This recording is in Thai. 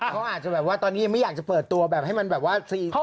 เขาอาจจะแบบว่าตอนนี้ไม่อยากจะเปิดตัวแบบให้มันแบบว่าฟรีจริงจัง